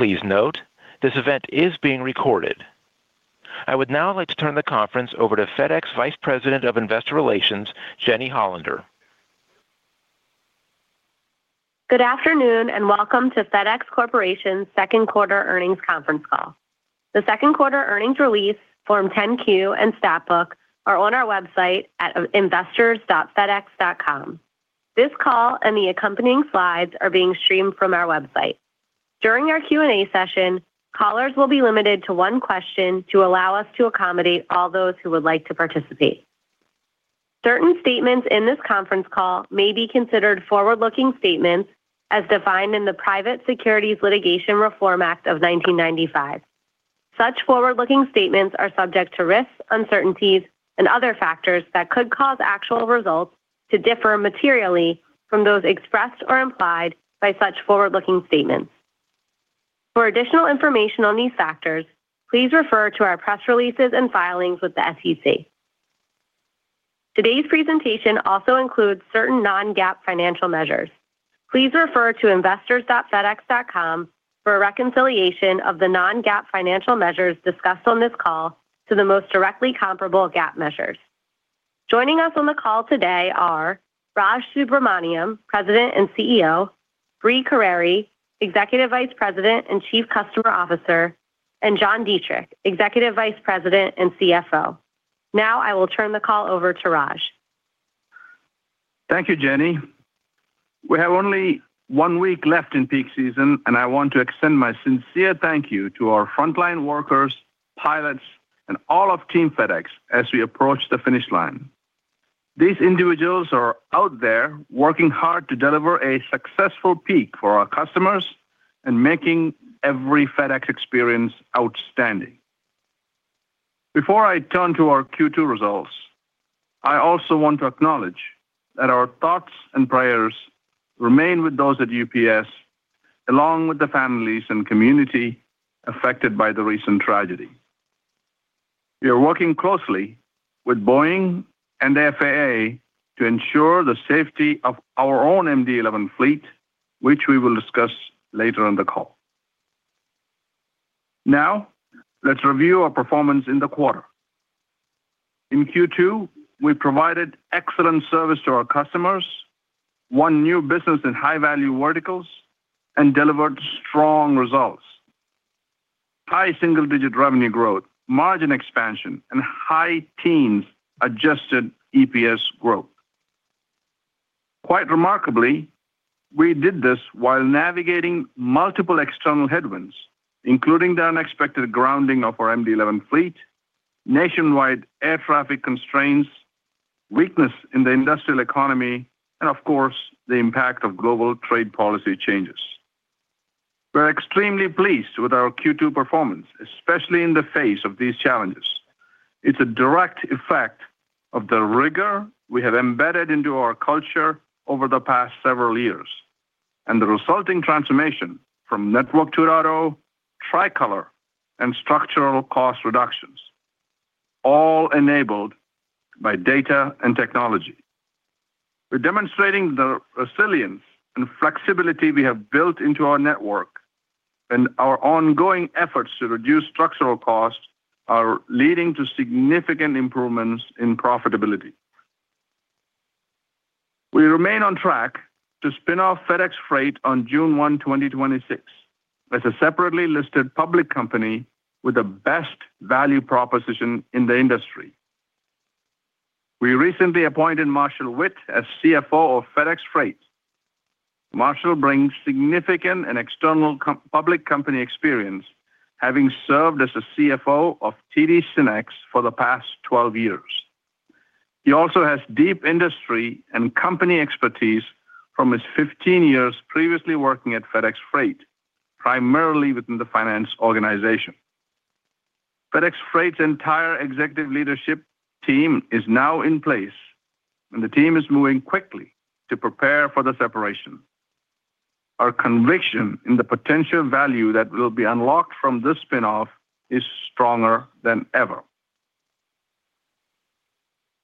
Please note, this event is being recorded. I would now like to turn the conference over to FedEx Vice President of Investor Relations, Jeni Hollander. Good afternoon and welcome to FedEx Corporation's second quarter earnings conference call. The second quarter earnings release, Form 10-Q, and Stat Book are on our website at investors.fedex.com. This call and the accompanying slides are being streamed from our website. During our Q&A session, callers will be limited to one question to allow us to accommodate all those who would like to participate. Certain statements in this conference call may be considered forward-looking statements as defined in the Private Securities Litigation Reform Act of 1995. Such forward-looking statements are subject to risks, uncertainties, and other factors that could cause actual results to differ materially from those expressed or implied by such forward-looking statements. For additional information on these factors, please refer to our press releases and filings with the SEC. Today's presentation also includes certain non-GAAP financial measures. Please refer to investors.fedex.com for a reconciliation of the non-GAAP financial measures discussed on this call to the most directly comparable GAAP measures. Joining us on the call today are Raj Subramaniam, President and CEO, Brie Carere, Executive Vice President and Chief Customer Officer, and John Dietrich, Executive Vice President and CFO. Now I will turn the call over to Raj. Thank you, Jenny. We have only one week left in peak season, and I want to extend my sincere thank you to our frontline workers, pilots, and all of Team FedEx as we approach the finish line. These individuals are out there working hard to deliver a successful peak for our customers and making every FedEx experience outstanding. Before I turn to our Q2 results, I also want to acknowledge that our thoughts and prayers remain with those at UPS, along with the families and community affected by the recent tragedy. We are working closely with Boeing and FAA to ensure the safety of our own MD-11 fleet, which we will discuss later on the call. Now, let's review our performance in the quarter. In Q2, we provided excellent service to our customers, won new business in high-value verticals, and delivered strong results. High single-digit revenue growth, margin expansion, and high teens adjusted EPS growth. Quite remarkably, we did this while navigating multiple external headwinds, including the unexpected grounding of our MD-11 fleet, nationwide air traffic constraints, weakness in the industrial economy, and of course, the impact of global trade policy changes. We're extremely pleased with our Q2 performance, especially in the face of these challenges. It's a direct effect of the rigor we have embedded into our culture over the past several years and the resulting transformation from Network 2.0, Tricolor, and structural cost reductions, all enabled by data and technology. We're demonstrating the resilience and flexibility we have built into our network, and our ongoing efforts to reduce structural costs are leading to significant improvements in profitability. We remain on track to spin off FedEx Freight on June 1, 2026, as a separately listed public company with the best value proposition in the industry. We recently appointed Marshall Witt as CFO of FedEx Freight. Marshall brings significant and external public company experience, having served as a CFO of TD SYNNEX for the past 12 years. He also has deep industry and company expertise from his 15 years previously working at FedEx Freight, primarily within the finance organization. FedEx Freight's entire executive leadership team is now in place, and the team is moving quickly to prepare for the separation. Our conviction in the potential value that will be unlocked from this spin-off is stronger than ever.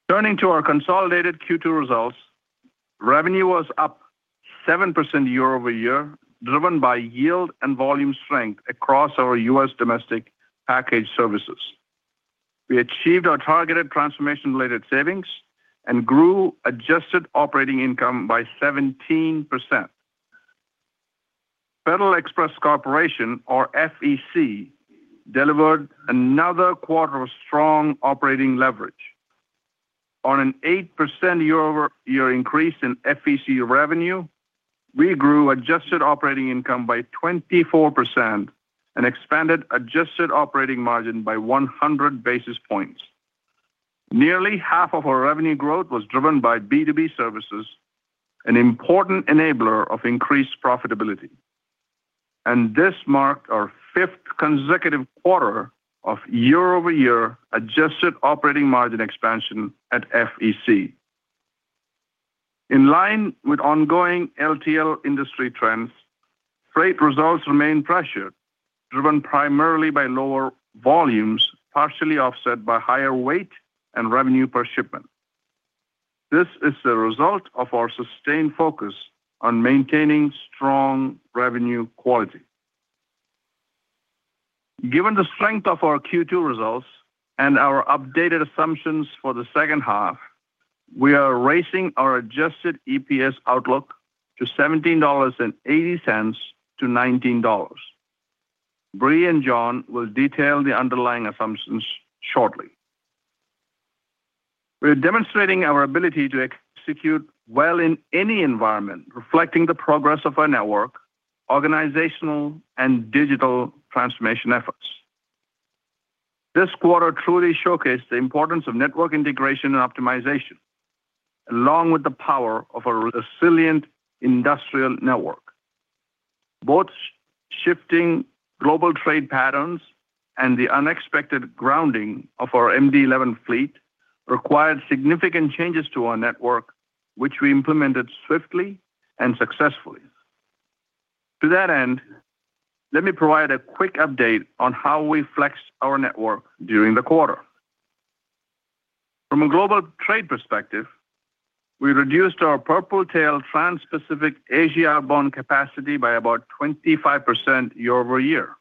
Turning to our consolidated Q2 results, revenue was up 7% year-over-year, driven by yield and volume strength across our U.S. domestic package services. We achieved our targeted transformation-related savings and grew adjusted operating income by 17%. Federal Express Corporation, or FEC, delivered another quarter of strong operating leverage. On an 8% year-over-year increase in FEC revenue, we grew adjusted operating income by 24% and expanded adjusted operating margin by 100 basis points. Nearly half of our revenue growth was driven by B2B services, an important enabler of increased profitability, and this marked our fifth consecutive quarter of year-over-year adjusted operating margin expansion at FEC. In line with ongoing LTL industry trends, freight results remain pressured, driven primarily by lower volumes, partially offset by higher weight and revenue per shipment. This is the result of our sustained focus on maintaining strong revenue quality. Given the strength of our Q2 results and our updated assumptions for the second half, we are raising our adjusted EPS outlook to $17.80-$19. Brie and John will detail the underlying assumptions shortly. We're demonstrating our ability to execute well in any environment, reflecting the progress of our network, organizational, and digital transformation efforts. This quarter truly showcased the importance of network integration and optimization, along with the power of a resilient industrial network. Both shifting global trade patterns and the unexpected grounding of our MD-11 fleet required significant changes to our network, which we implemented swiftly and successfully. To that end, let me provide a quick update on how we flexed our network during the quarter. From a global trade perspective, we reduced our Purple Tail trans-Pacific Asia-bound capacity by about 25% year-over-year.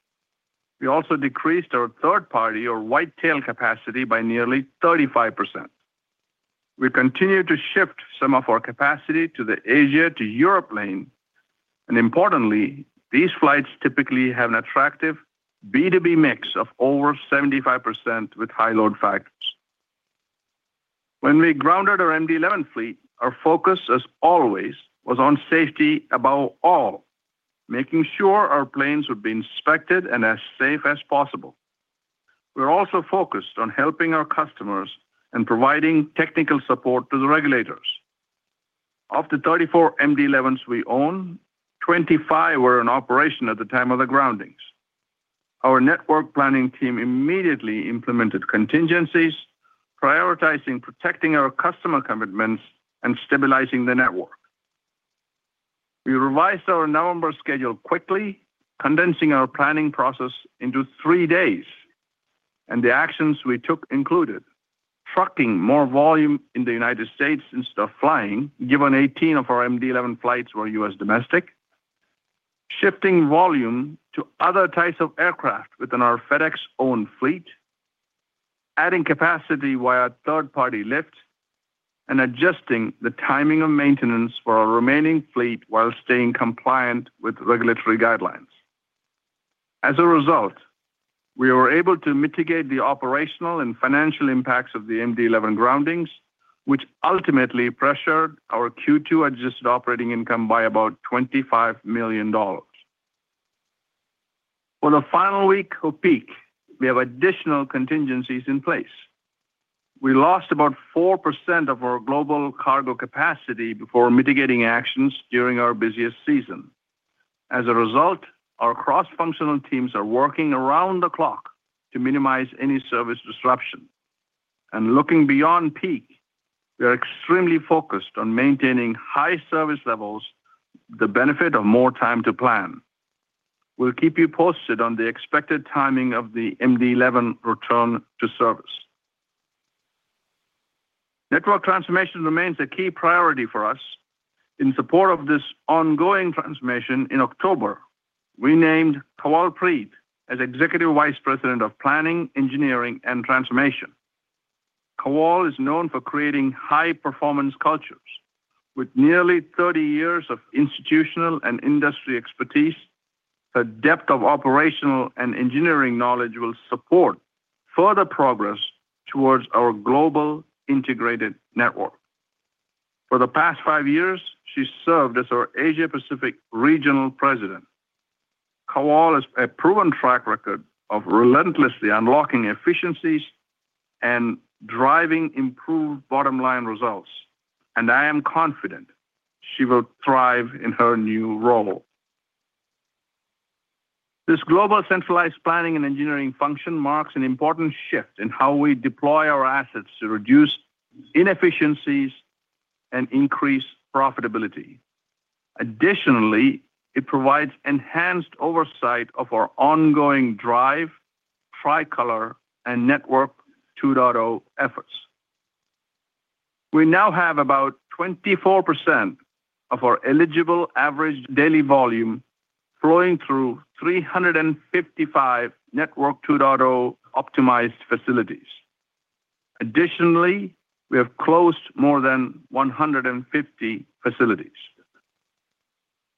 We also decreased our third party, or White Tail capacity, by nearly 35%. We continue to shift some of our capacity to the Asia to Europe lane, and importantly, these flights typically have an attractive B2B mix of over 75% with high load factors. When we grounded our MD-11 fleet, our focus, as always, was on safety above all, making sure our planes would be inspected and as safe as possible. We're also focused on helping our customers and providing technical support to the regulators. Of the 34 MD-11s we own, 25 were in operation at the time of the groundings. Our network planning team immediately implemented contingencies, prioritizing protecting our customer commitments and stabilizing the network. We revised our November schedule quickly, condensing our planning process into three days, and the actions we took included: trucking more volume in the United States instead of flying, given 18 of our MD-11 flights were U.S. domestic, shifting volume to other types of aircraft within our FedEx-owned fleet, adding capacity via third-party lift, and adjusting the timing of maintenance for our remaining fleet while staying compliant with regulatory guidelines. As a result, we were able to mitigate the operational and financial impacts of the MD-11 groundings, which ultimately pressured our Q2 adjusted operating income by about $25 million. For the final week of peak, we have additional contingencies in place. We lost about 4% of our global cargo capacity before mitigating actions during our busiest season. As a result, our cross-functional teams are working around the clock to minimize any service disruption. Looking beyond peak, we are extremely focused on maintaining high service levels, the benefit of more time to plan. We'll keep you posted on the expected timing of the MD-11 return to service. Network transformation remains a key priority for us. In support of this ongoing transformation, in October, we named Kawal Preet as Executive Vice President of Planning, Engineering, and Transformation. Kawal is known for creating high-performance cultures. With nearly 30 years of institutional and industry expertise, her depth of operational and engineering knowledge will support further progress towards our global integrated network. For the past five years, she served as our Asia-Pacific Regional President. Kawal has a proven track record of relentlessly unlocking efficiencies and driving improved bottom-line results, and I am confident she will thrive in her new role. This global centralized planning and engineering function marks an important shift in how we deploy our assets to reduce inefficiencies and increase profitability. Additionally, it provides enhanced oversight of our ongoing DRIVE, Tricolor, and Network 2.0 efforts. We now have about 24% of our eligible average daily volume flowing through 355 Network 2.0 optimized facilities. Additionally, we have closed more than 150 facilities.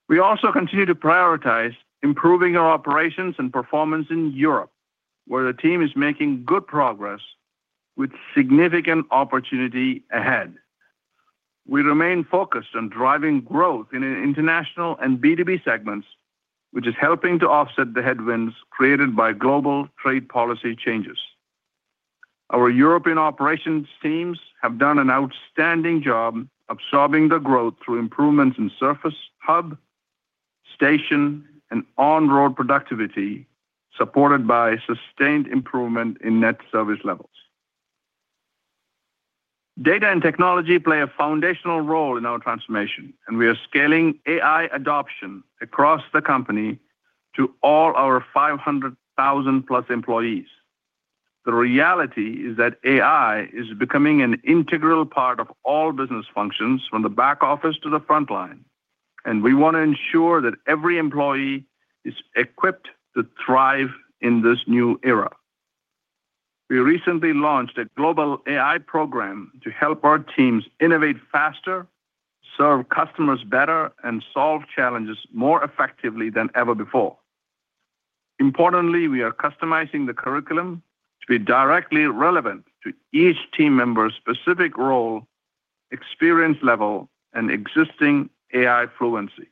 We also continue to prioritize improving our operations and performance in Europe, where the team is making good progress with significant opportunity ahead. We remain focused on driving growth in international and B2B segments, which is helping to offset the headwinds created by global trade policy changes. Our European operations teams have done an outstanding job absorbing the growth through improvements in surface, hub, station, and on-road productivity, supported by sustained improvement in net service levels. Data and technology play a foundational role in our transformation, and we are scaling AI adoption across the company to all our 500,000+ employees. The reality is that AI is becoming an integral part of all business functions, from the back office to the frontline, and we want to ensure that every employee is equipped to thrive in this new era. We recently launched a global AI program to help our teams innovate faster, serve customers better, and solve challenges more effectively than ever before. Importantly, we are customizing the curriculum to be directly relevant to each team member's specific role, experience level, and existing AI fluency.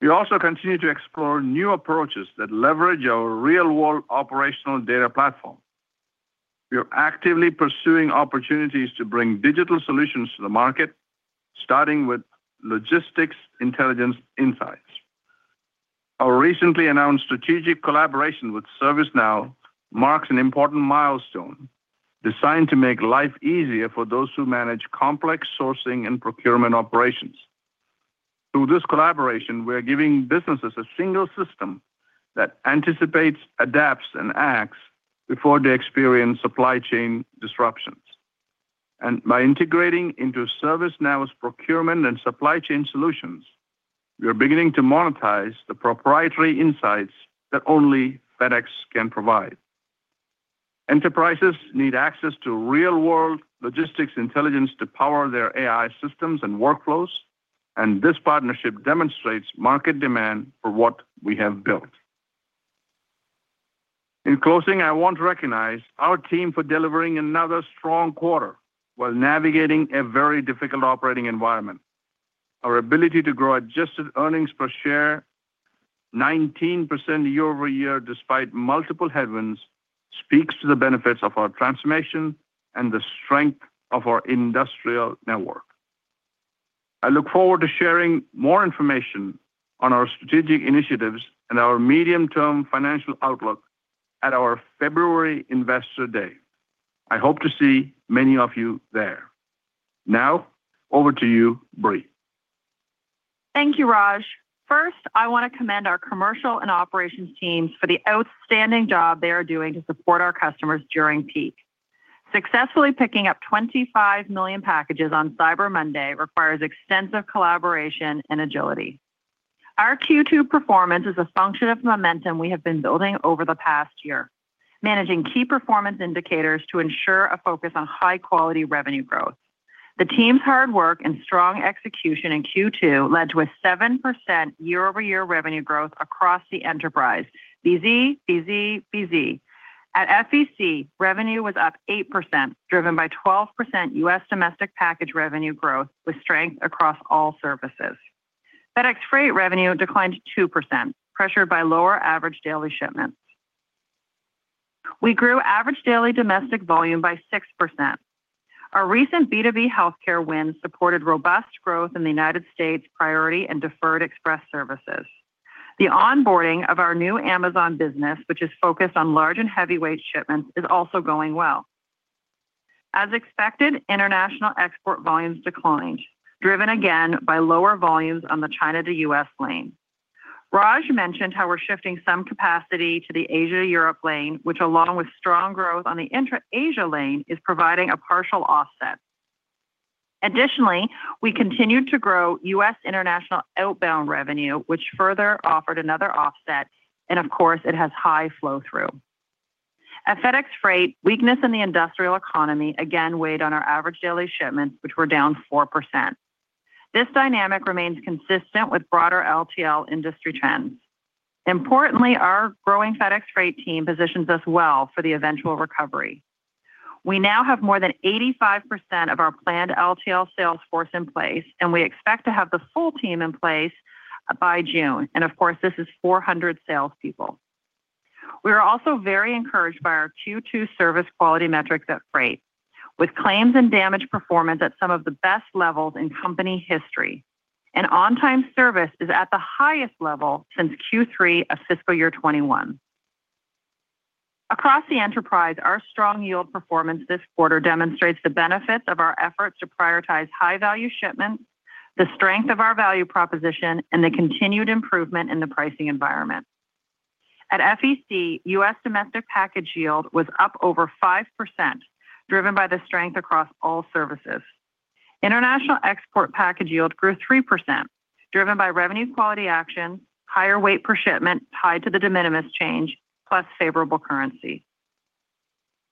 We also continue to explore new approaches that leverage our real-world operational data platform. We are actively pursuing opportunities to bring digital solutions to the market, starting with Logistics Intelligence Insights. Our recently announced strategic collaboration with ServiceNow marks an important milestone designed to make life easier for those who manage complex sourcing and procurement operations. Through this collaboration, we are giving businesses a single system that anticipates, adapts, and acts before they experience supply chain disruptions by integrating into ServiceNow's Procurement and Supply Chain Solutions. We are beginning to monetize the proprietary insights that only FedEx can provide. Enterprises need access to real-world logistics intelligence to power their AI systems and workflows, and this partnership demonstrates market demand for what we have built. In closing, I want to recognize our team for delivering another strong quarter while navigating a very difficult operating environment. Our ability to grow adjusted earnings per share 19% year-over-year, despite multiple headwinds, speaks to the benefits of our transformation and the strength of our industrial network. I look forward to sharing more information on our strategic initiatives and our medium-term financial outlook at our February Investor Day. I hope to see many of you there. Now, over to you, Brie. Thank you, Raj. First, I want to commend our commercial and operations teams for the outstanding job they are doing to support our customers during peak. Successfully picking up 25 million packages on Cyber Monday requires extensive collaboration and agility. Our Q2 performance is a function of momentum we have been building over the past year, managing key performance indicators to ensure a focus on high-quality revenue growth. The team's hard work and strong execution in Q2 led to a 7% year-over-year revenue growth across the enterprise, Easy, Easy, Easy. At FEC, revenue was up 8%, driven by 12% U.S. domestic package revenue growth with strength across all services. FedEx Freight revenue declined 2%, pressured by lower average daily shipments. We grew average daily domestic volume by 6%. Our recent B2B healthcare win supported robust growth in the United States priority and deferred express services. The onboarding of our new Amazon business, which is focused on large and heavyweight shipments, is also going well. As expected, international export volumes declined, driven again by lower volumes on the China to U.S. lane. Raj mentioned how we're shifting some capacity to the Asia to Europe lane, which, along with strong growth on the Asia lane, is providing a partial offset. Additionally, we continued to grow U.S. international outbound revenue, which further offered another offset, and of course, it has high flow-through. At FedEx Freight, weakness in the industrial economy again weighed on our average daily shipments, which were down 4%. This dynamic remains consistent with broader LTL industry trends. Importantly, our growing FedEx Freight team positions us well for the eventual recovery. We now have more than 85% of our planned LTL sales force in place, and we expect to have the full team in place by June. And of course, this is 400 salespeople. We are also very encouraged by our Q2 service quality metrics at Freight, with claims and damage performance at some of the best levels in company history. And on-time service is at the highest level since Q3 of fiscal year 2021. Across the enterprise, our strong yield performance this quarter demonstrates the benefits of our efforts to prioritize high-value shipments, the strength of our value proposition, and the continued improvement in the pricing environment. At FEC, U.S. domestic package yield was up over 5%, driven by the strength across all services. International export package yield grew 3%, driven by revenue quality actions, higher weight per shipment tied to the de minimis change, plus favorable currency.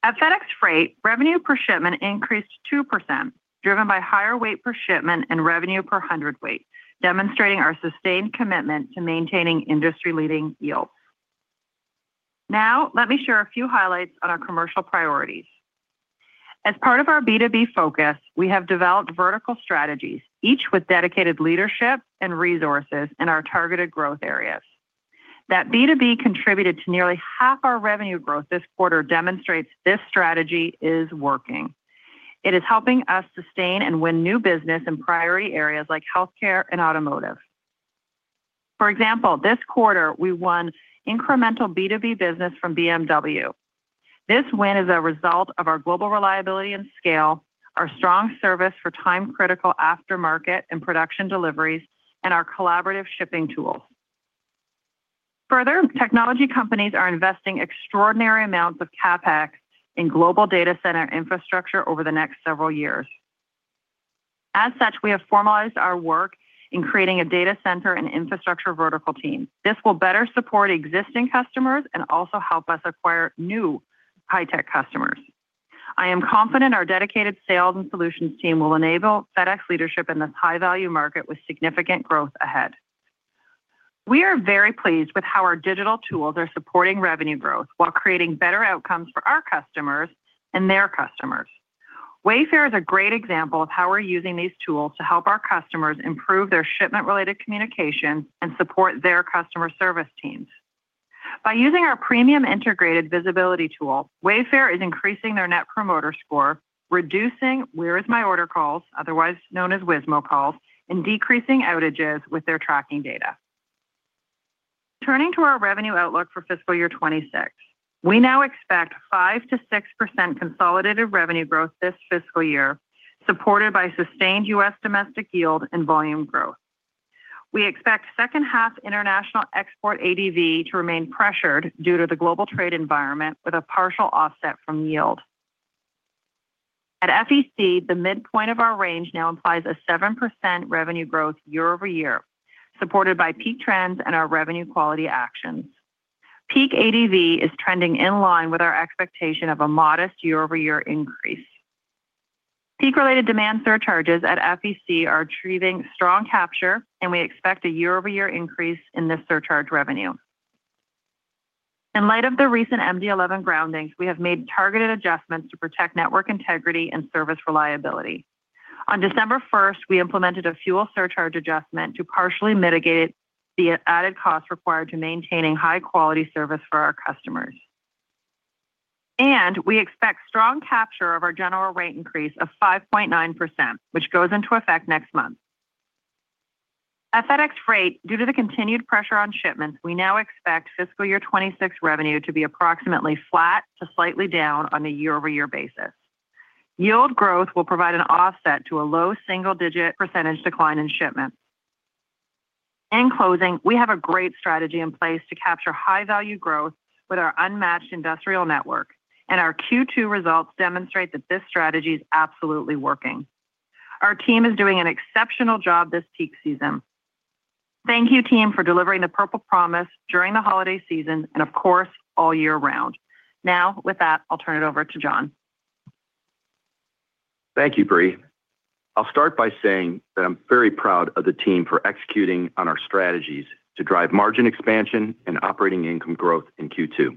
At FedEx Freight, revenue per shipment increased 2%, driven by higher weight per shipment and revenue per hundredweight, demonstrating our sustained commitment to maintaining industry-leading yields. Now, let me share a few highlights on our commercial priorities. As part of our B2B focus, we have developed vertical strategies, each with dedicated leadership and resources in our targeted growth areas. That B2B contributed to nearly half our revenue growth this quarter demonstrates this strategy is working. It is helping us sustain and win new business in priority areas like healthcare and automotive. For example, this quarter, we won incremental B2B business from BMW. This win is a result of our global reliability and scale, our strong service for time-critical aftermarket and production deliveries, and our collaborative shipping tools. Further, technology companies are investing extraordinary amounts of CapEx in global data center infrastructure over the next several years. As such, we have formalized our work in creating a data center and infrastructure vertical team. This will better support existing customers and also help us acquire new high-tech customers. I am confident our dedicated sales and solutions team will enable FedEx leadership in this high-value market with significant growth ahead. We are very pleased with how our digital tools are supporting revenue growth while creating better outcomes for our customers and their customers. Wayfair is a great example of how we're using these tools to help our customers improve their shipment-related communications and support their customer service teams. By using our premium integrated visibility tool, Wayfair is increasing their net promoter score, reducing where-is-my-order calls, otherwise known as WISMO calls, and decreasing outages with their tracking data. Turning to our revenue outlook for fiscal year 2026, we now expect 5%-6% consolidated revenue growth this fiscal year, supported by sustained U.S. domestic yield and volume growth. We expect second-half international export ADV to remain pressured due to the global trade environment, with a partial offset from yield. At FEC, the midpoint of our range now implies a 7% revenue growth year-over-year, supported by peak trends and our revenue quality actions. Peak ADV is trending in line with our expectation of a modest year-over-year increase. Peak-related demand surcharges at FEC are achieving strong capture, and we expect a year-over-year increase in this surcharge revenue. In light of the recent MD-11 groundings, we have made targeted adjustments to protect network integrity and service reliability. On December 1st, we implemented a fuel surcharge adjustment to partially mitigate the added cost required to maintaining high-quality service for our customers. And we expect strong capture of our general rate increase of 5.9%, which goes into effect next month. At FedEx Freight, due to the continued pressure on shipments, we now expect fiscal year 2026 revenue to be approximately flat to slightly down on a year-over-year basis. Yield growth will provide an offset to a low single-digit % decline in shipments. In closing, we have a great strategy in place to capture high-value growth with our unmatched integrated network, and our Q2 results demonstrate that this strategy is absolutely working. Our team is doing an exceptional job this peak season. Thank you, team, for delivering the Purple Promise during the holiday season and, of course, all year round. Now, with that, I'll turn it over to John. Thank you, Brie. I'll start by saying that I'm very proud of the team for executing on our strategies to drive margin expansion and operating income growth in Q2,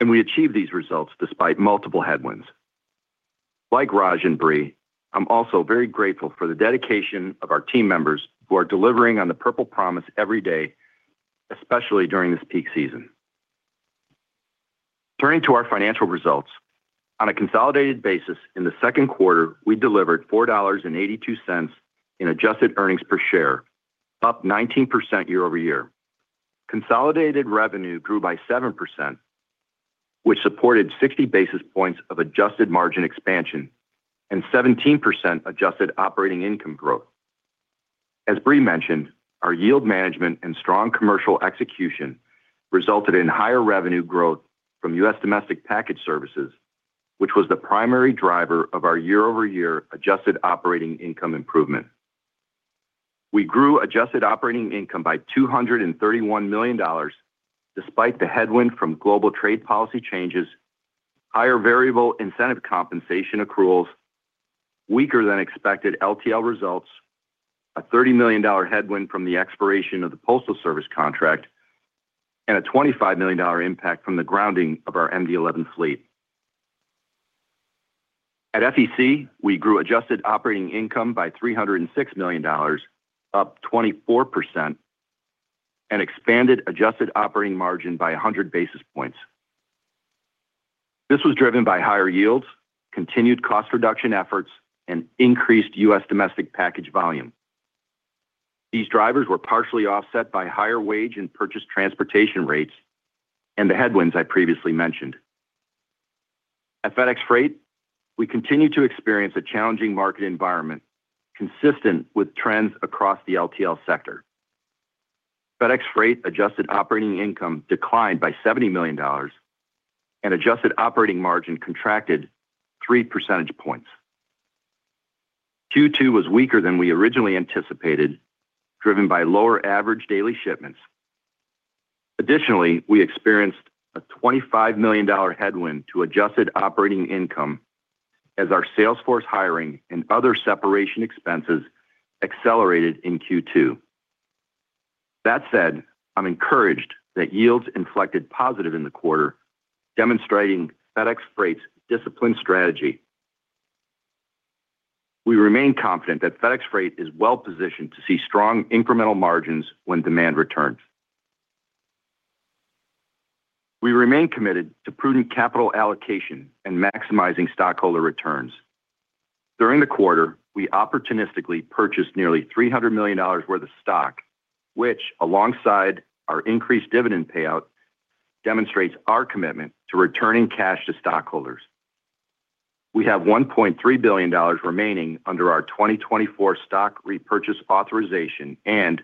and we achieved these results despite multiple headwinds. Like Raj and Brie, I'm also very grateful for the dedication of our team members who are delivering on the Purple Promise every day, especially during this peak season. Turning to our financial results, on a consolidated basis, in the second quarter, we delivered $4.82 in adjusted earnings per share, up 19% year-over-year. Consolidated revenue grew by 7%, which supported 60 basis points of adjusted margin expansion and 17% adjusted operating income growth. As Brie mentioned, our yield management and strong commercial execution resulted in higher revenue growth from U.S. domestic package services, which was the primary driver of our year-over-year adjusted operating income improvement. We grew adjusted operating income by $231 million despite the headwind from global trade policy changes, higher variable incentive compensation accruals, weaker-than-expected LTL results, a $30 million headwind from the expiration of the postal service contract, and a $25 million impact from the grounding of our MD-11 fleet. At FEC, we grew adjusted operating income by $306 million, up 24%, and expanded adjusted operating margin by 100 basis points. This was driven by higher yields, continued cost reduction efforts, and increased U.S. domestic package volume. These drivers were partially offset by higher wage and purchased transportation rates and the headwinds I previously mentioned. At FedEx Freight, we continue to experience a challenging market environment consistent with trends across the LTL sector. FedEx Freight adjusted operating income declined by $70 million and adjusted operating margin contracted 3 percentage points. Q2 was weaker than we originally anticipated, driven by lower average daily shipments. Additionally, we experienced a $25 million headwind to adjusted operating income as our sales force hiring and other separation expenses accelerated in Q2. That said, I'm encouraged that yields inflected positive in the quarter, demonstrating FedEx Freight's disciplined strategy. We remain confident that FedEx Freight is well-positioned to see strong incremental margins when demand returns. We remain committed to prudent capital allocation and maximizing stockholder returns. During the quarter, we opportunistically purchased nearly $300 million worth of stock, which, alongside our increased dividend payout, demonstrates our commitment to returning cash to stockholders. We have $1.3 billion remaining under our 2024 stock repurchase authorization and,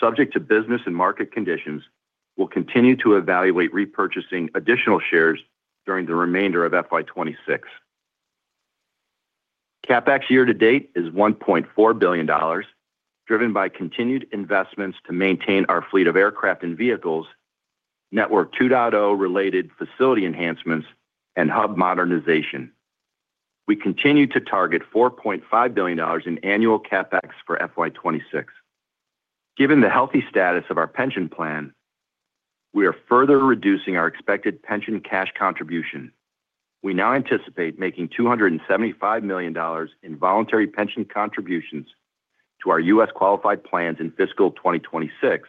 subject to business and market conditions, will continue to evaluate repurchasing additional shares during the remainder of FY 2026. CapEx year-to-date is $1.4 billion, driven by continued investments to maintain our fleet of aircraft and vehicles, Network 2.0-related facility enhancements, and hub modernization. We continue to target $4.5 billion in annual CapEx for FY 2026. Given the healthy status of our pension plan, we are further reducing our expected pension cash contribution. We now anticipate making $275 million in voluntary pension contributions to our U.S. qualified plans in fiscal 2026,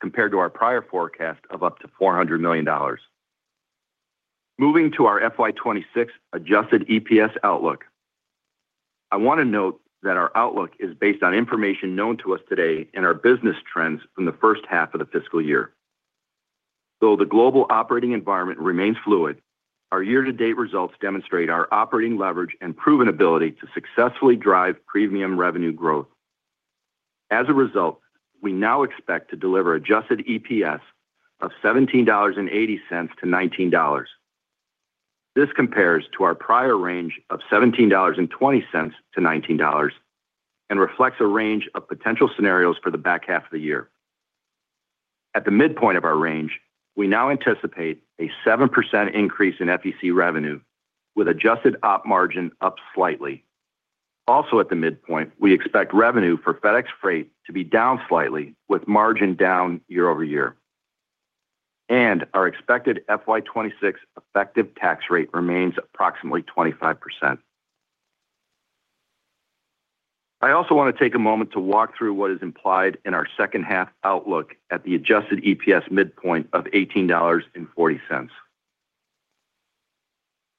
compared to our prior forecast of up to $400 million. Moving to our FY 2026 adjusted EPS outlook, I want to note that our outlook is based on information known to us today and our business trends from the first half of the fiscal year. Though the global operating environment remains fluid, our year-to-date results demonstrate our operating leverage and proven ability to successfully drive premium revenue growth. As a result, we now expect to deliver adjusted EPS of $17.80-$19. This compares to our prior range of $17.20-$19 and reflects a range of potential scenarios for the back half of the year. At the midpoint of our range, we now anticipate a 7% increase in FEC revenue, with adjusted op margin up slightly. Also at the midpoint, we expect revenue for FedEx Freight to be down slightly, with margin down year-over-year, and our expected FY 2026 effective tax rate remains approximately 25%. I also want to take a moment to walk through what is implied in our second-half outlook at the adjusted EPS midpoint of $18.40.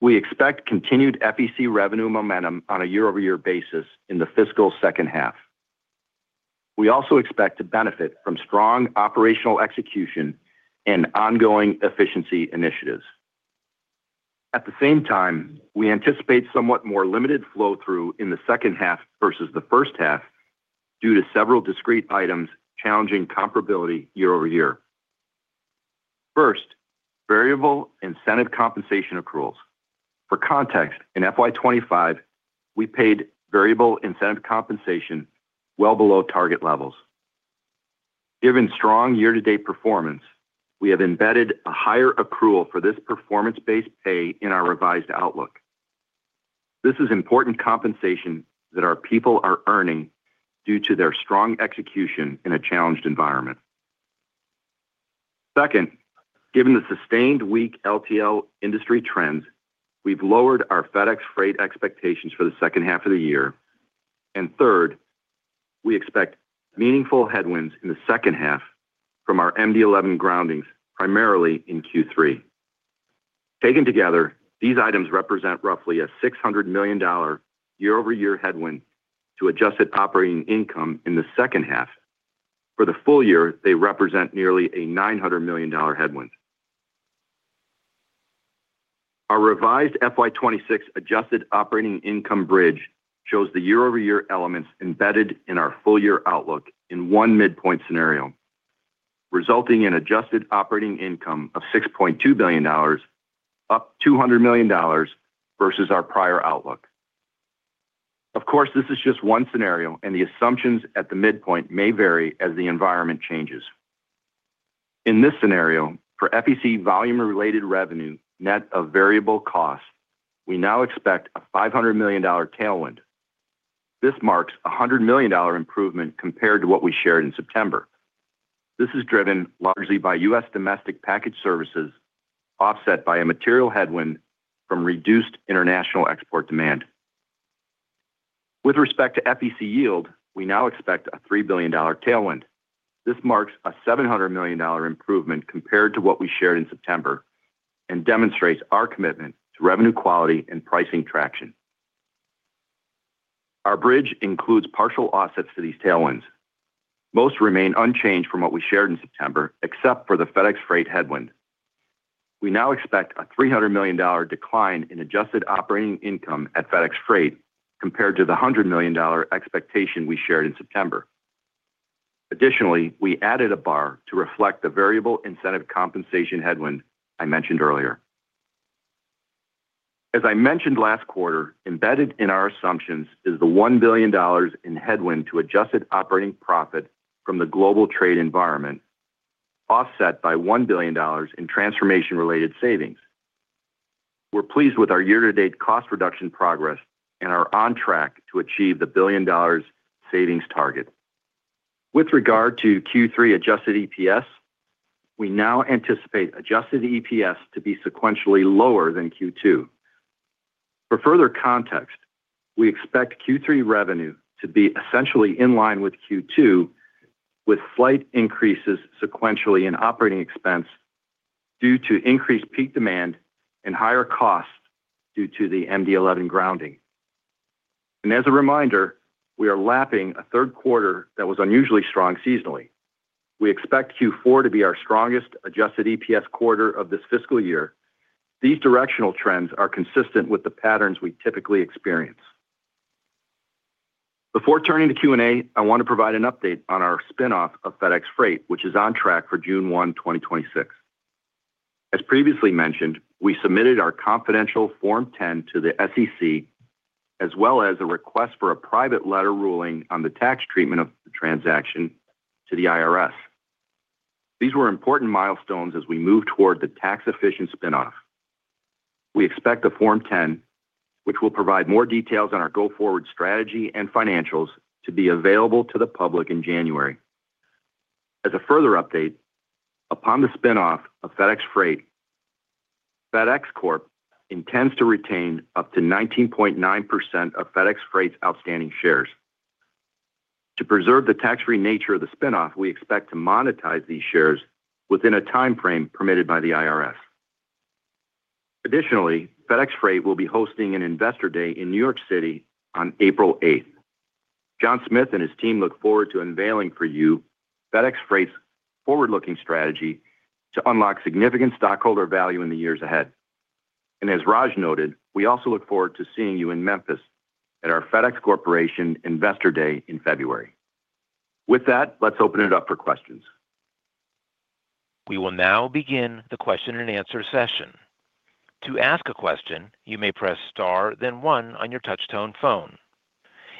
We expect continued FEC revenue momentum on a year-over-year basis in the fiscal second half. We also expect to benefit from strong operational execution and ongoing efficiency initiatives. At the same time, we anticipate somewhat more limited flow-through in the second half versus the first half due to several discrete items challenging comparability year-over-year. First, variable incentive compensation accruals. For context, in FY 2025, we paid variable incentive compensation well below target levels. Given strong year-to-date performance, we have embedded a higher accrual for this performance-based pay in our revised outlook. This is important compensation that our people are earning due to their strong execution in a challenged environment. Second, given the sustained weak LTL industry trends, we've lowered our FedEx Freight expectations for the second half of the year. And third, we expect meaningful headwinds in the second half from our MD-11 groundings, primarily in Q3. Taken together, these items represent roughly a $600 million year-over-year headwind to adjusted operating income in the second half. For the full year, they represent nearly a $900 million headwind. Our revised FY 2026 adjusted operating income bridge shows the year-over-year elements embedded in our full-year outlook in one midpoint scenario, resulting in adjusted operating income of $6.2 billion, up $200 million versus our prior outlook. Of course, this is just one scenario, and the assumptions at the midpoint may vary as the environment changes. In this scenario, for FEC volume-related revenue net of variable costs, we now expect a $500 million tailwind. This marks a $100 million improvement compared to what we shared in September. This is driven largely by U.S. domestic package services, offset by a material headwind from reduced international export demand. With respect to FEC yield, we now expect a $3 billion tailwind. This marks a $700 million improvement compared to what we shared in September and demonstrates our commitment to revenue quality and pricing traction. Our bridge includes partial offsets to these tailwinds. Most remain unchanged from what we shared in September, except for the FedEx Freight headwind. We now expect a $300 million decline in adjusted operating income at FedEx Freight compared to the $100 million expectation we shared in September. Additionally, we added a bar to reflect the variable incentive compensation headwind I mentioned earlier. As I mentioned last quarter, embedded in our assumptions is the $1 billion in headwind to adjusted operating profit from the global trade environment, offset by $1 billion in transformation-related savings. We're pleased with our year-to-date cost reduction progress and are on track to achieve the billion-dollar savings target. With regard to Q3 adjusted EPS, we now anticipate adjusted EPS to be sequentially lower than Q2. For further context, we expect Q3 revenue to be essentially in line with Q2, with slight increases sequentially in operating expense due to increased peak demand and higher costs due to the MD-11 grounding, and as a reminder, we are lapping a third quarter that was unusually strong seasonally. We expect Q4 to be our strongest adjusted EPS quarter of this fiscal year. These directional trends are consistent with the patterns we typically experience. Before turning to Q&A, I want to provide an update on our spinoff of FedEx Freight, which is on track for June 1, 2026. As previously mentioned, we submitted our confidential Form 10 to the SEC, as well as a request for a private letter ruling on the tax treatment of the transaction to the IRS. These were important milestones as we move toward the tax-efficient spinoff. We expect the Form 10, which will provide more details on our go-forward strategy and financials, to be available to the public in January. As a further update, upon the spinoff of FedEx Freight, FedEx Corp intends to retain up to 19.9% of FedEx Freight's outstanding shares. To preserve the tax-free nature of the spinoff, we expect to monetize these shares within a timeframe permitted by the IRS. Additionally, FedEx Freight will be hosting an Investor Day in New York City on April 8th. John Smith and his team look forward to unveiling for you FedEx Freight's forward-looking strategy to unlock significant stockholder value in the years ahead. And as Raj noted, we also look forward to seeing you in Memphis at our FedEx Corporation Investor Day in February. With that, let's open it up for questions. We will now begin the question-and-answer session. To ask a question, you may press star, then one on your touch-tone phone.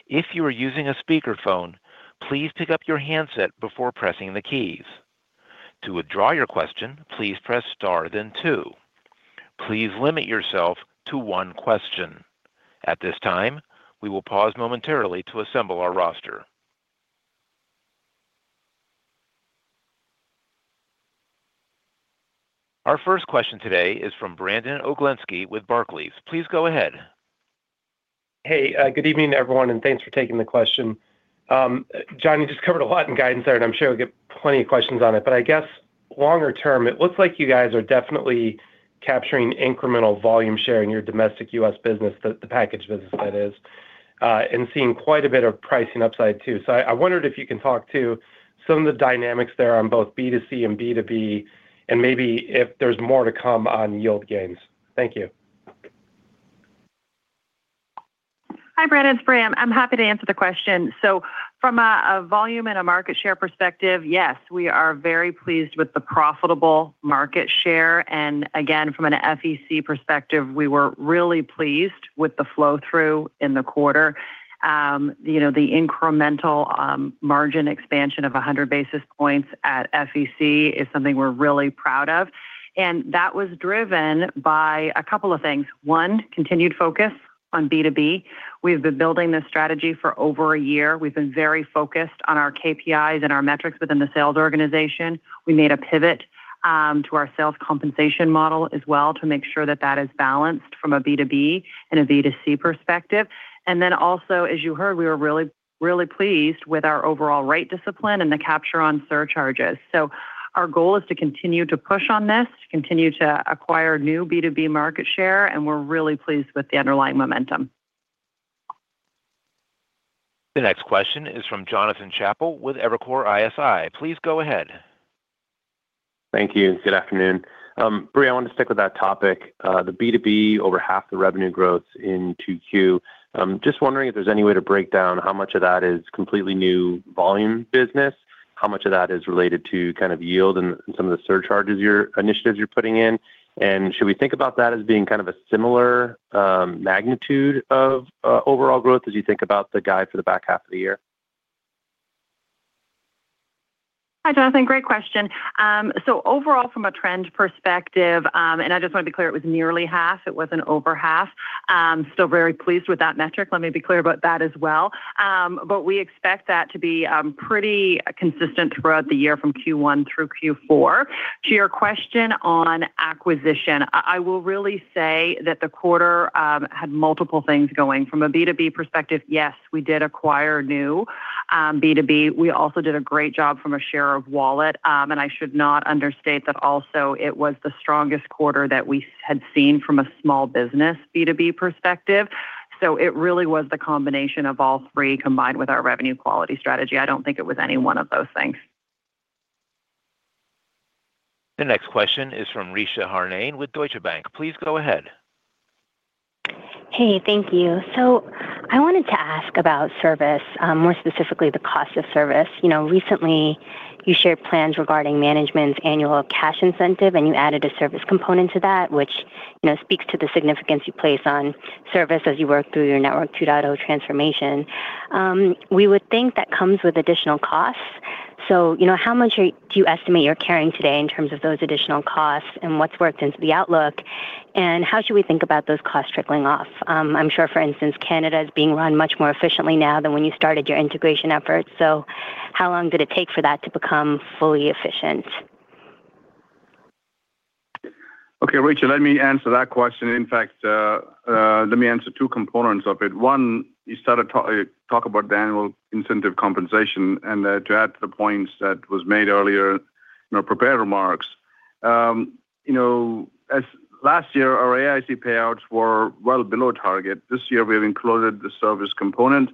If you are using a speakerphone, please pick up your handset before pressing the keys. To withdraw your question, please press star, then two. Please limit yourself to one question. At this time, we will pause momentarily to assemble our roster. Our first question today is from Brandon Oglenski with Barclays. Please go ahead. Hey, good evening, everyone, and thanks for taking the question. John, you just covered a lot in guidance there, and I'm sure we'll get plenty of questions on it. But I guess longer term, it looks like you guys are definitely capturing incremental volume share in your domestic U.S. business, the package business that is, and seeing quite a bit of pricing upside too. So I wondered if you can talk to some of the dynamics there on both B2C and B2B, and maybe if there's more to come on yield gains. Thank you. Hi, Brandon. It's Bram. I'm happy to answer the question. So from a volume and a market share perspective, yes, we are very pleased with the profitable market share. And again, from an FEC perspective, we were really pleased with the flow-through in the quarter. The incremental margin expansion of 100 basis points at FEC is something we're really proud of. And that was driven by a couple of things. One, continued focus on B2B. We've been building this strategy for over a year. We've been very focused on our KPIs and our metrics within the sales organization. We made a pivot to our sales compensation model as well to make sure that that is balanced from a B2B and a B2C perspective. And then also, as you heard, we were really, really pleased with our overall rate discipline and the capture on surcharges. So our goal is to continue to push on this, continue to acquire new B2B market share, and we're really pleased with the underlying momentum. The next question is from Jonathan Chappell with Evercore ISI. Please go ahead. Thank you. Good afternoon. Brie, I want to stick with that topic. The B2B, over half the revenue growth in Q2. Just wondering if there's any way to break down how much of that is completely new volume business, how much of that is related to kind of yield and some of the surcharges initiatives you're putting in. And should we think about that as being kind of a similar magnitude of overall growth as you think about the guide for the back half of the year? Hi, Jonathan. Great question. So overall, from a trend perspective, and I just want to be clear, it was nearly half. It wasn't over half. Still very pleased with that metric. Let me be clear about that as well. But we expect that to be pretty consistent throughout the year from Q1 through Q4. To your question on acquisition, I will really say that the quarter had multiple things going. From a B2B perspective, yes, we did acquire new B2B. We also did a great job from a share of wallet. And I should not understate that also it was the strongest quarter that we had seen from a small business B2B perspective. So it really was the combination of all three combined with our revenue quality strategy. I don't think it was any one of those things. The next question is from Richa Harnain with Deutsche Bank. Please go ahead. Hey, thank you. So I wanted to ask about service, more specifically the cost of service. Recently, you shared plans regarding management's annual cash incentive, and you added a service component to that, which speaks to the significance you place on service as you work through your Network 2.0 transformation. We would think that comes with additional costs. So how much do you estimate you're carrying today in terms of those additional costs and what's worked into the outlook? And how should we think about those costs trickling off? I'm sure, for instance, Canada is being run much more efficiently now than when you started your integration efforts. So how long did it take for that to become fully efficient? Okay, Richa, let me answer that question. In fact, let me answer two components of it. One, you started talking about the annual incentive compensation. And to add to the points that were made earlier in our prepared remarks, last year, our AIC payouts were well below target. This year, we have included the service component,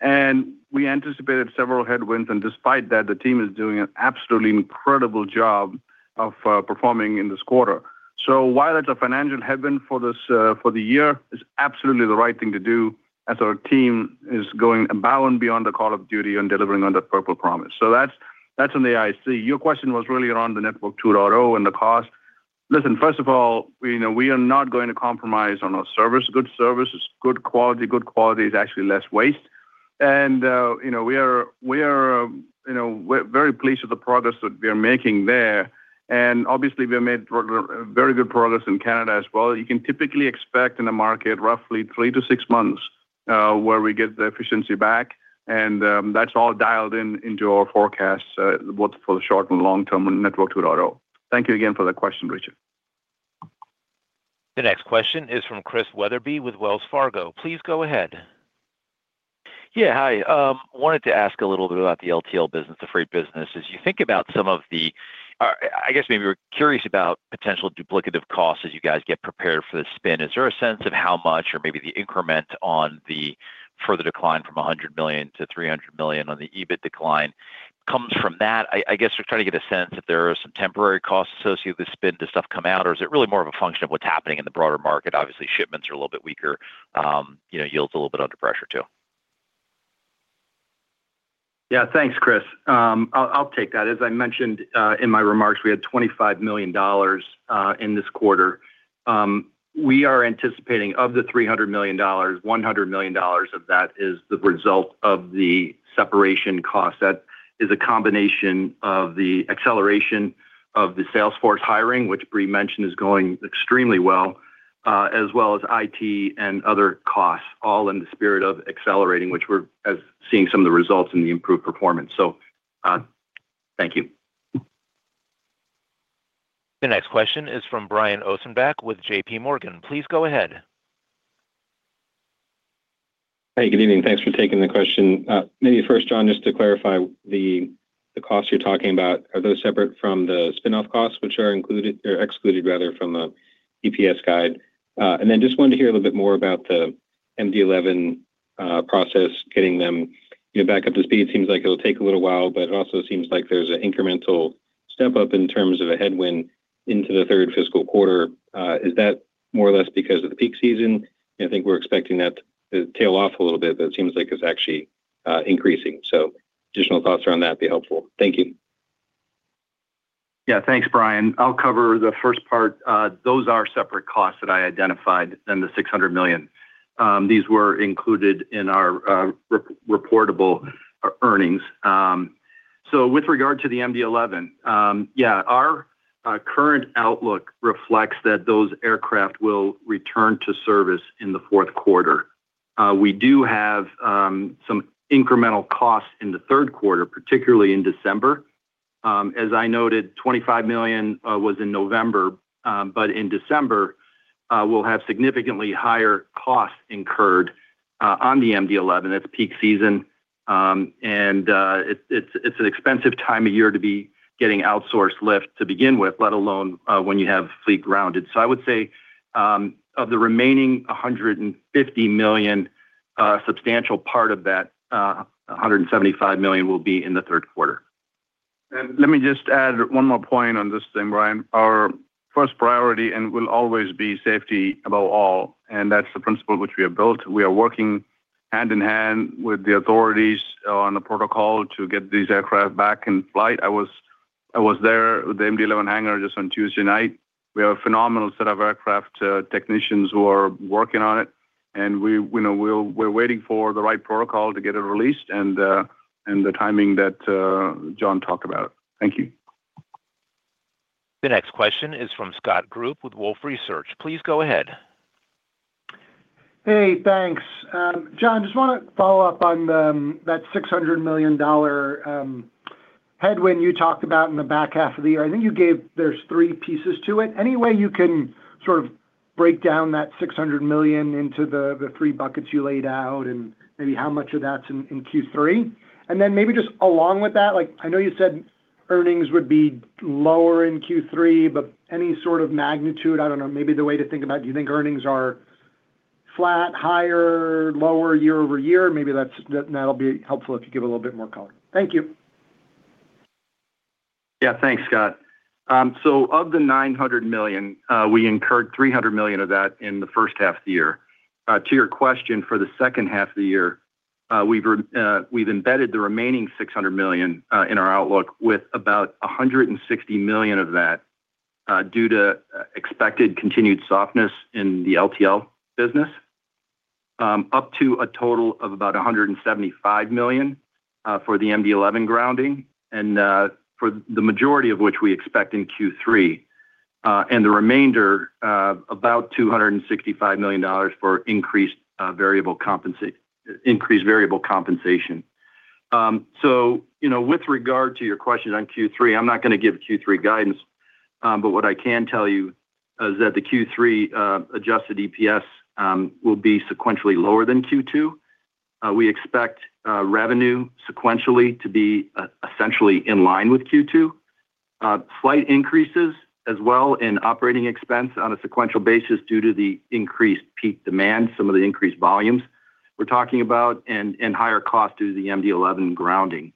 and we anticipated several headwinds. And despite that, the team is doing an absolutely incredible job of performing in this quarter. So while it's a financial headwind for the year, it's absolutely the right thing to do as our team is going above and beyond the call of duty on delivering on that Purple Promise. So that's on the AIC. Your question was really around the Network 2.0 and the cost. Listen, first of all, we are not going to compromise on our service. Good service is good quality. Good quality is actually less waste. And we are very pleased with the progress that we are making there. And obviously, we have made very good progress in Canada as well. You can typically expect in the market roughly three to six months where we get the efficiency back. And that's all dialed into our forecasts both for the short and long-term Network 2.0. Thank you again for the question, Richa. The next question is from Chris Wetherbee with Wells Fargo. Please go ahead. Yeah, hi. I wanted to ask a little bit about the LTL business, the freight business. As you think about some of the, I guess maybe we're curious about potential duplicative costs as you guys get prepared for the spin. Is there a sense of how much or maybe the increment on the further decline from $100 million to $300 million on the EBIT decline comes from that? I guess we're trying to get a sense if there are some temporary costs associated with the spin to stuff come out, or is it really more of a function of what's happening in the broader market? Obviously, shipments are a little bit weaker. Yield's a little bit under pressure too. Yeah, thanks, Chris. I'll take that. As I mentioned in my remarks, we had $25 million in this quarter. We are anticipating of the $300 million, $100 million of that is the result of the separation cost. That is a combination of the acceleration of the Salesforce hiring, which Brie mentioned is going extremely well, as well as IT and other costs, all in the spirit of accelerating, which we're seeing some of the results in the improved performance. So thank you. The next question is from Brian Ossenbeck with JPMorgan. Please go ahead. Hey, good evening. Thanks for taking the question. Maybe first, John, just to clarify, the costs you're talking about, are those separate from the spinoff costs, which are included or excluded, rather, from the EPS guide? And then just wanted to hear a little bit more about the MD-11 process, getting them back up to speed. It seems like it'll take a little while, but it also seems like there's an incremental step up in terms of a headwind into the third fiscal quarter. Is that more or less because of the peak season? I think we're expecting that to tail off a little bit, but it seems like it's actually increasing. So additional thoughts around that would be helpful. Thank you. Yeah, thanks, Brian. I'll cover the first part. Those are separate costs that I identified than the $600 million. These were included in our reportable earnings. So with regard to the MD-11, yeah, our current outlook reflects that those aircraft will return to service in the fourth quarter. We do have some incremental costs in the third quarter, particularly in December. As I noted, $25 million was in November, but in December, we'll have significantly higher costs incurred on the MD-11. That's peak season. And it's an expensive time of year to be getting outsourced lift to begin with, let alone when you have fleet grounded. So I would say of the remaining $150 million, a substantial part of that $175 million will be in the third quarter. And let me just add one more point on this thing, Brian. Our first priority will always be safety above all. And that's the principle which we have built. We are working hand in hand with the authorities on the protocol to get these aircraft back in flight. I was there with the MD-11 hangar just on Tuesday night. We have a phenomenal set of aircraft technicians who are working on it. And we're waiting for the right protocol to get it released and the timing that John talked about. Thank you. The next question is from Scott Group with Wolfe Research. Please go ahead. Hey, thanks. John, just want to follow up on that $600 million headwind you talked about in the back half of the year. I think you gave there's three pieces to it. Any way you can sort of break down that $600 million into the three buckets you laid out and maybe how much of that's in Q3? And then maybe just along with that, I know you said earnings would be lower in Q3, but any sort of magnitude, I don't know, maybe the way to think about, do you think earnings are flat, higher, lower year-over-year? Maybe that'll be helpful if you give a little bit more color. Thank you. Yeah, thanks, Scott. So of the $900 million, we incurred $300 million of that in the first half of the year. To your question, for the second half of the year, we've embedded the remaining $600 million in our outlook with about $160 million of that due to expected continued softness in the LTL business, up to a total of about $175 million for the MD-11 grounding, and for the majority of which we expect in Q3, and the remainder about $265 million for increased variable compensation. So with regard to your question on Q3, I'm not going to give Q3 guidance, but what I can tell you is that the Q3 adjusted EPS will be sequentially lower than Q2. We expect revenue sequentially to be essentially in line with Q2. Flight increases as well in operating expense on a sequential basis due to the increased peak demand, some of the increased volumes we're talking about, and higher costs due to the MD-11 grounding.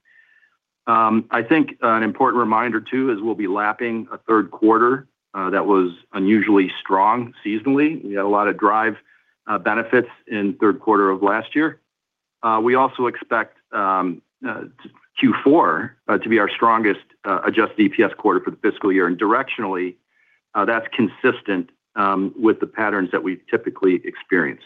I think an important reminder too is we'll be lapping a third quarter that was unusually strong seasonally. We had a lot of drive benefits in the third quarter of last year. We also expect Q4 to be our strongest adjusted EPS quarter for the fiscal year. And directionally, that's consistent with the patterns that we've typically experienced.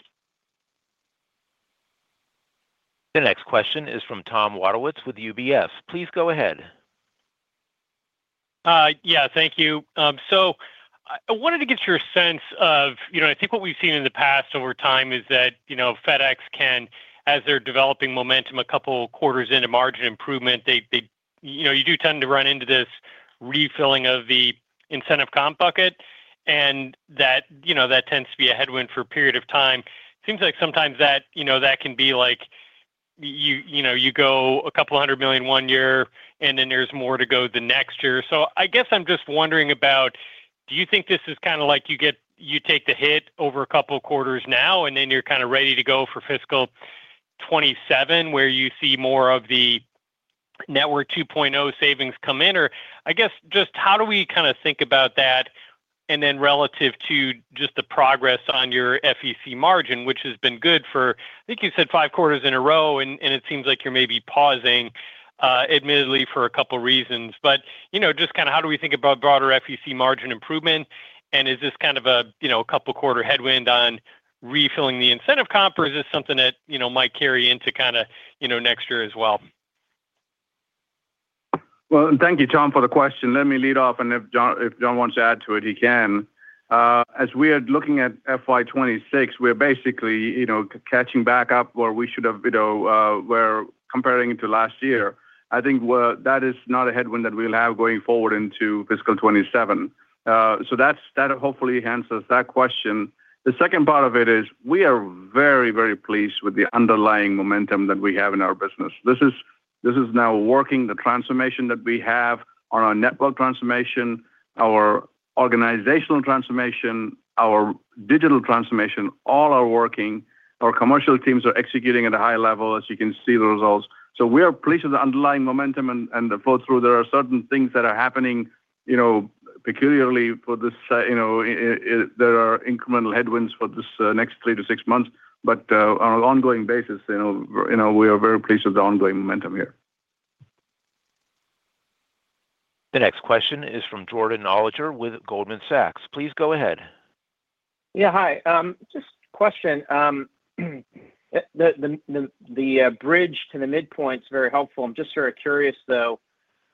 The next question is from Tom Wadewitz with UBS. Please go ahead. Yeah, thank you. So I wanted to get your sense of, I think what we've seen in the past over time is that FedEx can, as they're developing momentum a couple of quarters into margin improvement, you do tend to run into this refilling of the incentive comp bucket, and that tends to be a headwind for a period of time. Seewms like sometimes that can be like you go a couple of hundred million one year, and then there's more to go the next year. So I guess I'm just wondering about, do you think this is kind of like you take the hit over a couple of quarters now, and then you're kind of ready to go for fiscal 2027 where you see more of the Network 2.0 savings come in? Or I guess just how do we kind of think about that? And then relative to just the progress on your FEC margin, which has been good for, I think you said five quarters in a row, and it seems like you're maybe pausing, admittedly, for a couple of reasons. But just kind of how do we think about broader FEC margin improvement? Is this kind of a couple of quarters headwind on refilling the incentive comp, or is this something that might carry into kind of next year as well? Thank you, Tom, for the question. Let me lead off. If John wants to add to it, he can. As we are looking at FY 2026, we're basically catching back up where we should have compared it to last year. I think that is not a headwind that we'll have going forward into fiscal 2027. So that hopefully answers that question. The second part of it is we are very, very pleased with the underlying momentum that we have in our business. This is now working, the transformation that we have on our network transformation, our organizational transformation, our digital transformation, all are working. Our commercial teams are executing at a high level, as you can see the results. So we are pleased with the underlying momentum and the flow through. There are certain things that are happening peculiarly for this. There are incremental headwinds for this next three to six months, but on an ongoing basis, we are very pleased with the ongoing momentum here. The next question is from Jordan Alliger with Goldman Sachs. Please go ahead. Yeah, hi. Just a question. The bridge to the midpoint is very helpful. I'm just sort of curious, though,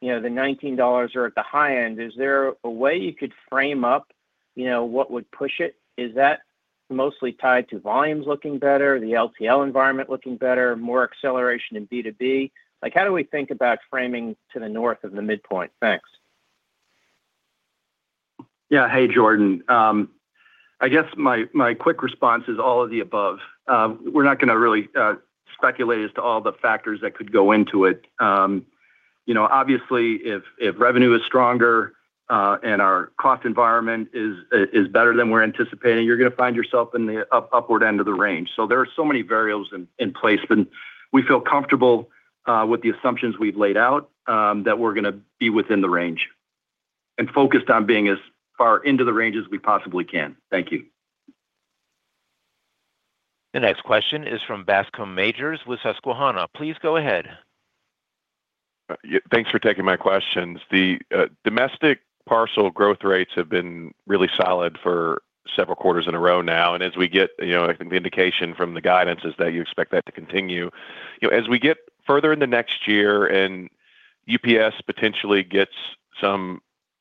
the $19 are at the high end. Is there a way you could frame up what would push it? Is that mostly tied to volumes looking better, the LTL environment looking better, more acceleration in B2B? How do we think about framing to the north of the midpoint? Thanks. Yeah, hey, Jordan. I guess my quick response is all of the above. We're not going to really speculate as to all the factors that could go into it. Obviously, if revenue is stronger and our cost environment is better than we're anticipating, you're going to find yourself in the upward end of the range. So there are so many variables in place, but we feel comfortable with the assumptions we've laid out that we're going to be within the range and focused on being as far into the range as we possibly can. Thank you. The next question is from Bascome Majors with Susquehanna. Please go ahead. Thanks for taking my questions. The domestic parcel growth rates have been really solid for several quarters in a row now, and as we get, I think the indication from the guidance is that you expect that to continue. As we get further into next year and UPS potentially gets some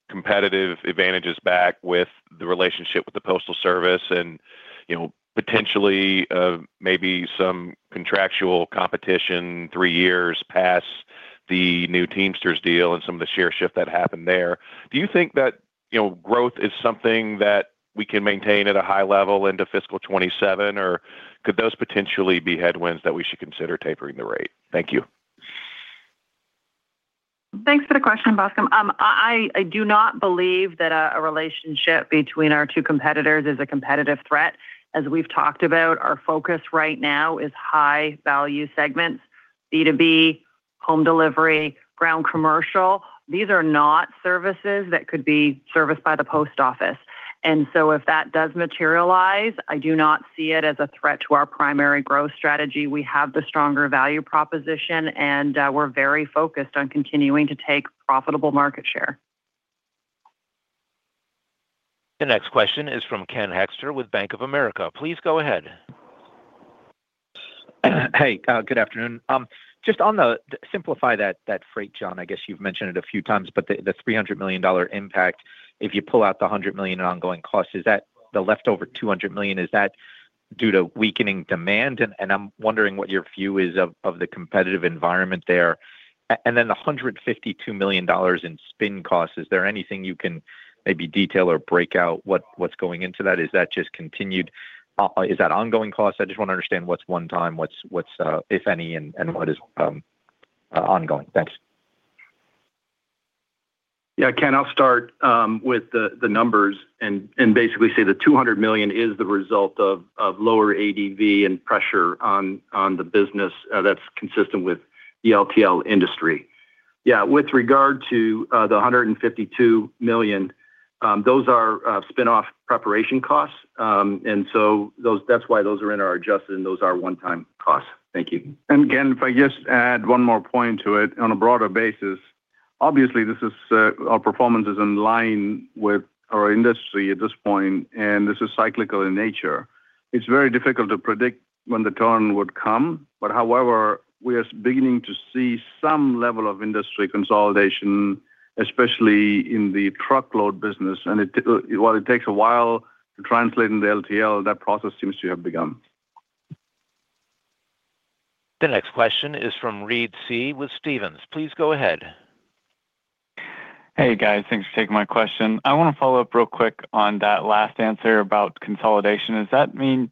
competitive advantages back with the relationship with the Postal Service and potentially maybe some contractual competition three years past the new Teamsters deal and some of the sheer shift that happened there, do you think that growth is something that we can maintain at a high level into fiscal 2027, or could those potentially be headwinds that we should consider tapering the rate? Thank you. Thanks for the question, Bascome. I do not believe that a relationship between our two competitors is a competitive threat. As we've talked about, our focus right now is high-value segments: B2B, Home Delivery, Ground Commercial. These are not services that could be serviced by the Post Office. And so if that does materialize, I do not see it as a threat to our primary growth strategy. We have the stronger value proposition, and we're very focused on continuing to take profitable market share. The next question is from Ken Hoexter with Bank of America. Please go ahead. Hey, good afternoon. Just on the simplify that freight, John, I guess you've mentioned it a few times, but the $300 million impact, if you pull out the $100 million in ongoing costs, is that the leftover $200 million? Is that due to weakening demand? And I'm wondering what your view is of the competitive environment there. And then the $152 million in spin costs, is there anything you can maybe detail or break out what's going into that? Is that just continued? Is that ongoing costs? I just want to understand what's one time, what's, if any, and what is ongoing. Thanks. Yeah, Ken, I'll start with the numbers and basically say the $200 million is the result of lower ADV and pressure on the business that's consistent with the LTL industry. Yeah, with regard to the $152 million, those are spinoff preparation costs, and so that's why those are in our adjusted, and those are one-time costs. Thank you, and again, if I just add one more point to it on a broader basis, obviously, our performance is in line with our industry at this point, and this is cyclical in nature. It's very difficult to predict when the turn would come, but however, we are beginning to see some level of industry consolidation, especially in the truckload business, and while it takes a while to translate in the LTL, that process seems to have begun. The next question is from Reed Seay with Stephens. Please go ahead. Hey, guys. Thanks for taking my question. I want to follow up real quick on that last answer about consolidation. Does that mean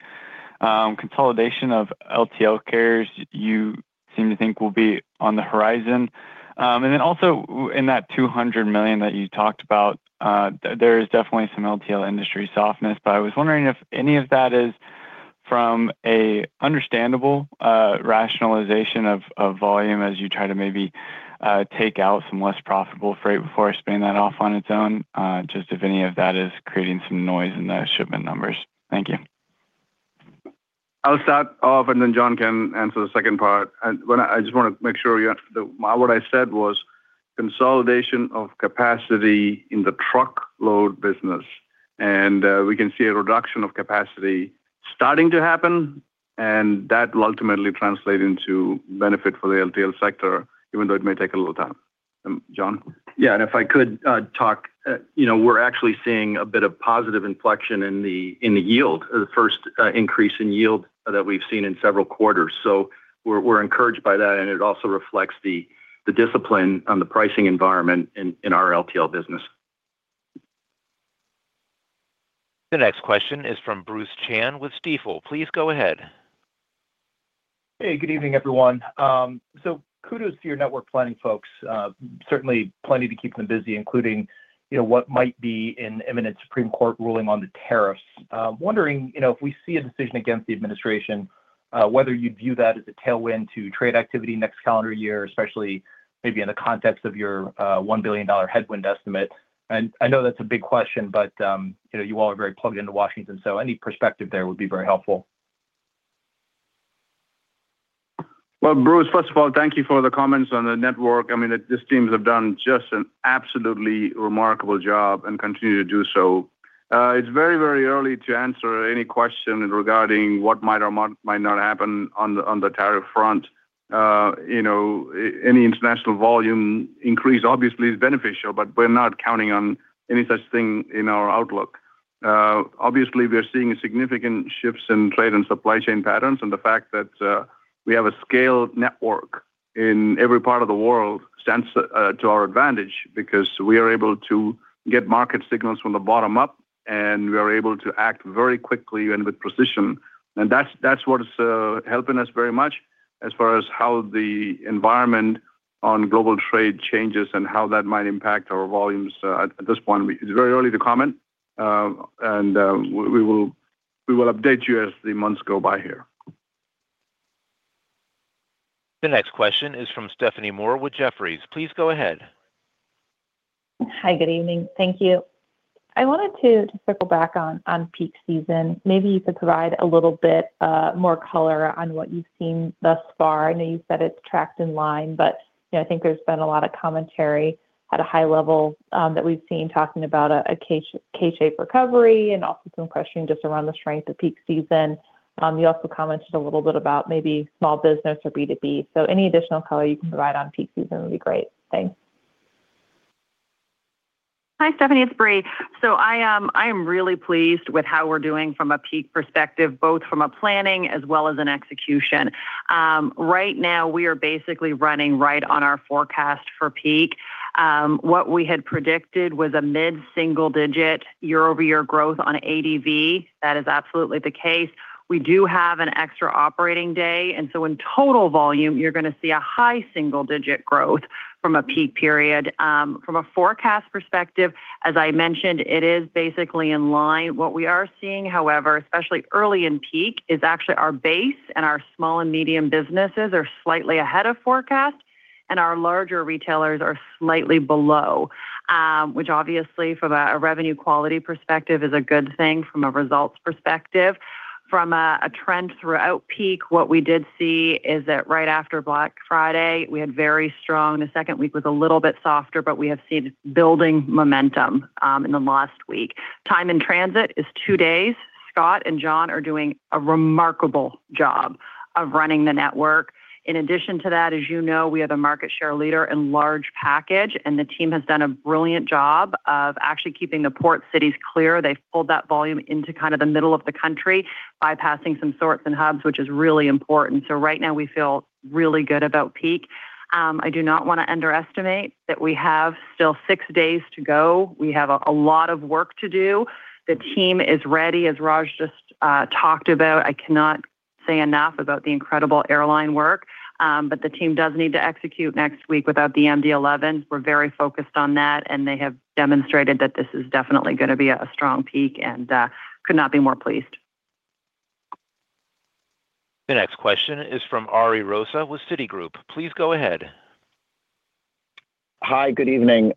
consolidation of LTL carriers you seem to think will be on the horizon? And then also in that $200 million that you talked about, there is definitely some LTL industry softness, but I was wondering if any of that is from an understandable rationalization of volume as you try to maybe take out some less profitable freight before I spin that off on its own, just if any of that is creating some noise in the shipment numbers. Thank you. I'll start off, and then John can answer the second part. I just want to make sure what I said was consolidation of capacity in the truckload business. We can see a reduction of capacity starting to happen, and that will ultimately translate into benefit for the LTL sector, even though it may take a little time. John? Yeah, and if I could talk, we're actually seeing a bit of positive inflection in the yield, the first increase in yield that we've seen in several quarters. So we're encouraged by that, and it also reflects the discipline on the pricing environment in our LTL business. The next question is from Bruce Chan with Stifel. Please go ahead. Hey, good evening, everyone. So kudos to your network planning, folks. Certainly plenty to keep them busy, including what might be an imminent Supreme Court ruling on the tariffs. I'm wondering if we see a decision against the administration, whether you'd view that as a tailwind to trade activity next calendar year, especially maybe in the context of your $1 billion headwind estimate. And I know that's a big question, but you all are very plugged into Washington, so any perspective there would be very helpful. Well, Bruce, first of all, thank you for the comments on the network. I mean, these teams have done just an absolutely remarkable job and continue to do so. It's very, very early to answer any question regarding what might or might not happen on the tariff front. Any international volume increase, obviously, is beneficial, but we're not counting on any such thing in our outlook. Obviously, we are seeing significant shifts in trade and supply chain patterns, and the fact that we have a scaled network in every part of the world stands to our advantage because we are able to get market signals from the bottom up, and we are able to act very quickly and with precision, and that's what's helping us very much as far as how the environment on global trade changes and how that might impact our volumes. At this point, it's very early to comment, and we will update you as the months go by here. The next question is from Stephanie Moore with Jefferies. Please go ahead. Hi, good evening. Thank you. I wanted to circle back on peak season. Maybe you could provide a little bit more color on what you've seen thus far. I know you said it's tracked in line, but I think there's been a lot of commentary at a high level that we've seen talking about a K-shaped recovery and also some questioning just around the strength of peak season. You also commented a little bit about maybe small business or B2B. So any additional color you can provide on peak season would be great. Thanks. Hi, Stephanie. It's Brie. So I am really pleased with how we're doing from a peak perspective, both from a planning as well as an execution. Right now, we are basically running right on our forecast for peak. What we had predicted was a mid-single-digit year-over-year growth on ADV. That is absolutely the case. We do have an extra operating day. And so in total volume, you're going to see a high single-digit growth from a peak period. From a forecast perspective, as I mentioned, it is basically in line. What we are seeing, however, especially early in peak, is actually our base and our small and medium businesses are slightly ahead of forecast, and our larger retailers are slightly below, which obviously, from a revenue quality perspective, is a good thing from a results perspective. From a trend throughout peak, what we did see is that right after Black Friday, we had very strong. The second week was a little bit softer, but we have seen building momentum in the last week. Time in transit is two days. Scott and John are doing a remarkable job of running the network. In addition to that, as you know, we are the market share leader in large package, and the team has done a brilliant job of actually keeping the port cities clear. They've pulled that volume into kind of the middle of the country, bypassing some sorts and hubs, which is really important. So right now, we feel really good about peak. I do not want to underestimate that we have still six days to go. We have a lot of work to do. The team is ready, as Raj just talked about. I cannot say enough about the incredible airline work, but the team does need to execute next week without the MD-11. We're very focused on that, and they have demonstrated that this is definitely going to be a strong peak and could not be more pleased. The next question is from Ari Rosa with Citigroup. Please go ahead. Hi, good evening.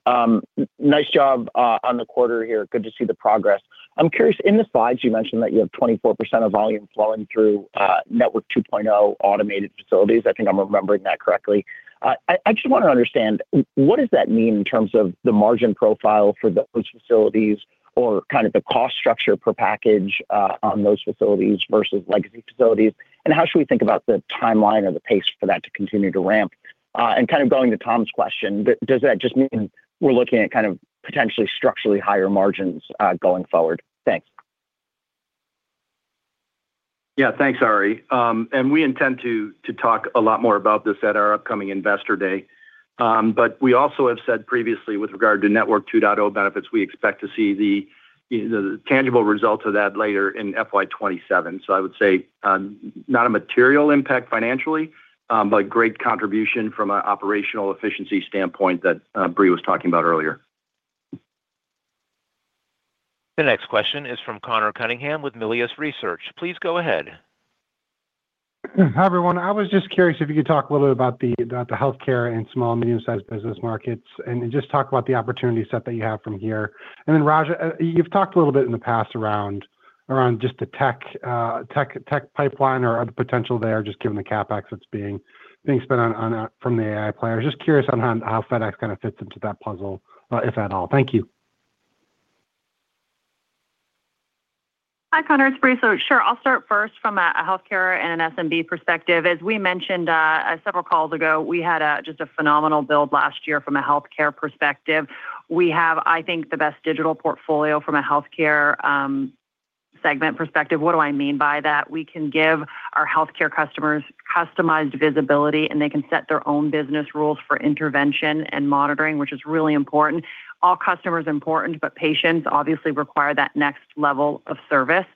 Nice job on the quarter here. Good to see the progress. I'm curious. In the slides, you mentioned that you have 24% of volume flowing through Network 2.0 automated facilities. I think I'm remembering that correctly. I just want to understand, what does that mean in terms of the margin profile for those facilities or kind of the cost structure per package on those facilities versus legacy facilities? And how should we think about the timeline or the pace for that to continue to ramp? And kind of going to Tom's question, does that just mean we're looking at kind of potentially structurally higher margins going forward? Thanks. Yeah, thanks, Ari. And we intend to talk a lot more about this at our upcoming Investor Day. But we also have said previously with regard to Network 2.0 benefits, we expect to see the tangible results of that later in FY 2027. So I would say not a material impact financially, but a great contribution from an operational efficiency standpoint that Brie was talking about earlier. The next question is from Conor Cunningham with Melius Research. Please go ahead. Hi, everyone. I was just curious if you could talk a little bit about the healthcare and small and medium-sized business markets and just talk about the opportunity set that you have from here. And then, Raj, you've talked a little bit in the past around just the tech pipeline or the potential there, just given the CapEx that's being spent from the AI players. Just curious on how FedEx kind of fits into that puzzle, if at all. Thank you. Hi, Conor. It's Brie. So sure, I'll start first from a healthcare and an SMB perspective. As we mentioned several calls ago, we had just a phenomenal build last year from a healthcare perspective. We have, I think, the best digital portfolio from a healthcare segment perspective. What do I mean by that? We can give our healthcare customers customized visibility, and they can set their own business rules for intervention and monitoring, which is really important. All customers are important, but patients obviously require that next level of service.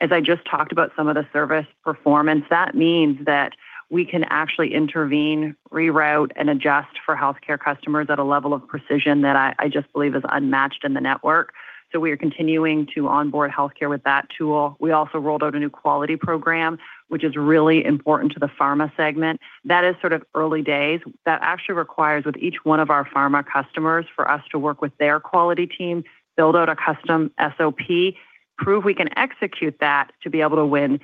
As I just talked about some of the service performance, that means that we can actually intervene, reroute, and adjust for healthcare customers at a level of precision that I just believe is unmatched in the network. So we are continuing to onboard healthcare with that tool. We also rolled out a new quality program, which is really important to the pharma segment. That is sort of early days. That actually requires, with each one of our pharma customers, for us to work with their quality team, build out a custom SOP, prove we can execute that to be able to win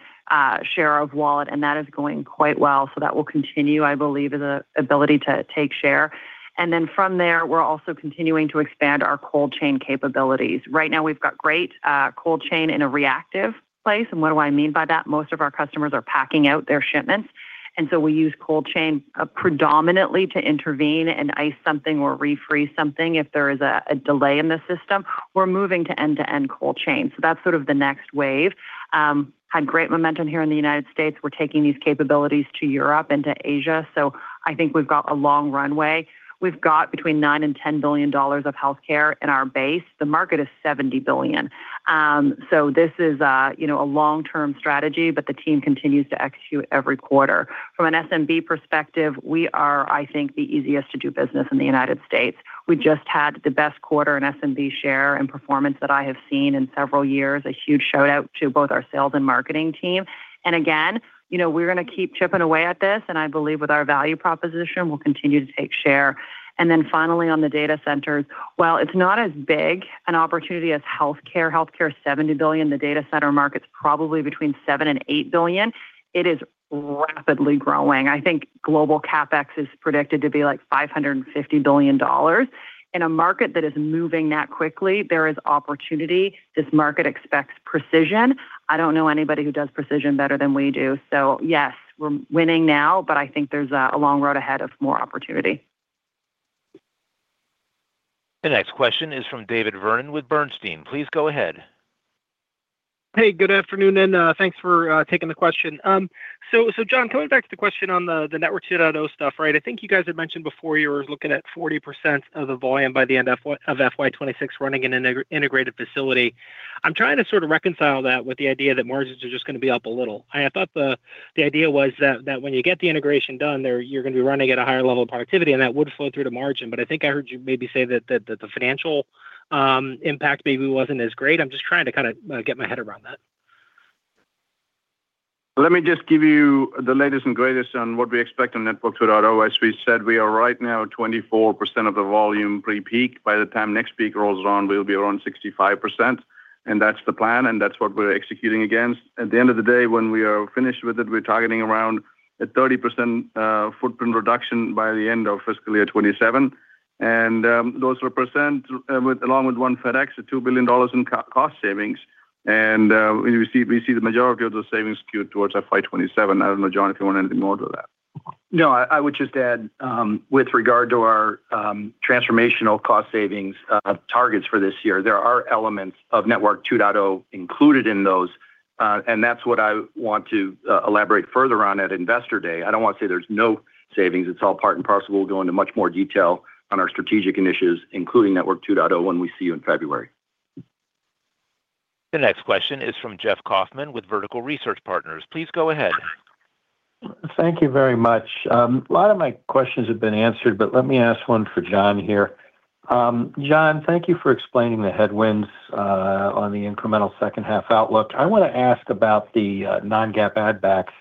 share of wallet. And that is going quite well. So that will continue, I believe, as an ability to take share. And then from there, we're also continuing to expand our cold chain capabilities. Right now, we've got great cold chain in a reactive place. And what do I mean by that? Most of our customers are packing out their shipments. And so we use cold chain predominantly to intervene and ice something or refreeze something if there is a delay in the system. We're moving to end-to-end cold chain. So that's sort of the next wave. Had great momentum here in the United States. We're taking these capabilities to Europe and to Asia. So I think we've got a long runway. We've got between $9 billion-$10 billion of healthcare in our base. The market is $70 billion. So this is a long-term strategy, but the team continues to execute every quarter. From an SMB perspective, we are, I think, the easiest to do business in the United States. We just had the best quarter in SMB share and performance that I have seen in several years. A huge shout-out to both our sales and marketing team. And again, we're going to keep chipping away at this. And I believe with our value proposition, we'll continue to take share. And then finally, on the data centers, well, it's not as big an opportunity as healthcare. Healthcare is $70 billion. The data center market's probably between $7 billion-$8 billion. It is rapidly growing. I think global CapEx is predicted to be like $550 billion. In a market that is moving that quickly, there is opportunity. This market expects precision. I don't know anybody who does precision better than we do. So yes, we're winning now, but I think there's a long road ahead of more opportunity. The next question is from David Vernon with Bernstein. Please go ahead. Hey, good afternoon, and thanks for taking the question. So John, coming back to the question on the Network 2.0 stuff, right? I think you guys had mentioned before you were looking at 40% of the volume by the end of FY 2026 running in an integrated facility. I'm trying to sort of reconcile that with the idea that margins are just going to be up a little. I thought the idea was that when you get the integration done, you're going to be running at a higher level of productivity, and that would flow through to margin. But I think I heard you maybe say that the financial impact maybe wasn't as great. I'm just trying to kind of get my head around that. Let me just give you the latest and greatest on what we expect on Network 2.0. As we said, we are right now at 24% of the volume pre-peak. By the time next peak rolls around, we'll be around 65%. And that's the plan, and that's what we're executing against. At the end of the day, when we are finished with it, we're targeting around a 30% footprint reduction by the end of fiscal year 2027. And those represent, along with One FedEx, $2 billion in cost savings. We see the majority of those savings skewed towards FY 2027. I don't know, John, if you want anything more to that. No, I would just add, with regard to our transformational cost savings targets for this year, there are elements of Network 2.0 included in those. That's what I want to elaborate further on at Investor Day. I don't want to say there's no savings. It's all part and parcel. We'll go into much more detail on our strategic initiatives, including Network 2.0, when we see you in February. The next question is from Jeff Kauffman with Vertical Research Partners. Please go ahead. Thank you very much. A lot of my questions have been answered, but let me ask one for John here. John, thank you for explaining the headwinds on the incremental second-half outlook. I want to ask about the non-GAAP add-backs.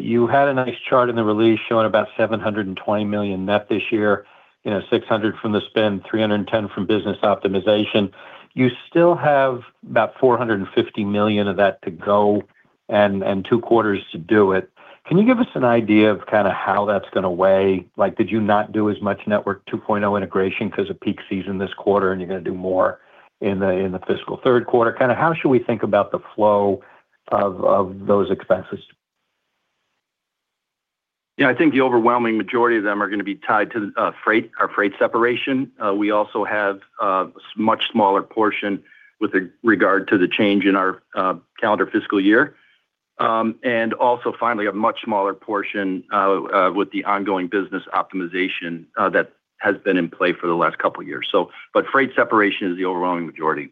You had a nice chart in the release showing about $720 million net this year, $600 from the spend, $310 from business optimization. You still have about $450 million of that to go and two quarters to do it. Can you give us an idea of kind of how that's going to weigh? Did you not do as much Network 2.0 integration because of peak season this quarter, and you're going to do more in the fiscal third quarter? Kind of how should we think about the flow of those expenses? Yeah, I think the overwhelming majority of them are going to be tied to our freight separation. We also have a much smaller portion with regard to the change in our calendar fiscal year. And also, finally, a much smaller portion with the ongoing business optimization that has been in play for the last couple of years. But freight separation is the overwhelming majority.